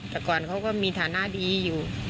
แต่ก่อนเขาก็มีฐานะดีอยู่